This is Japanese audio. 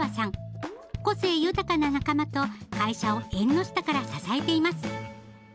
個性豊かな仲間と会社を縁の下から支えています。